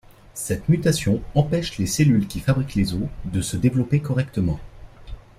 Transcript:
Cette mutation empêche les cellules qui fabriquent les os de se développer correctement.